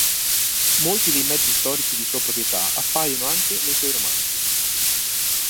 Molti dei mezzi storici di sua proprietà appaiono anche nei suoi romanzi.